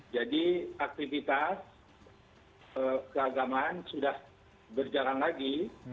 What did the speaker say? jadi aktivitas keagamaan sudah berjalan lagi